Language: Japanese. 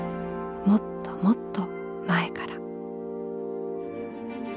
もっともっと前から。